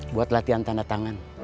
buat latihan tanda tangan